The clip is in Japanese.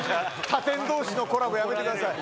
他店どうしのコラボ、やめてください。